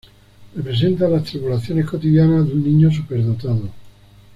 Representa las tribulaciones cotidianas de un niño superdotado.